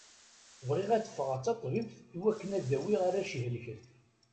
Bɣiɣ ad d-fɣeɣ d taṭbibt iwakken ad dawiɣ arrac ihelken.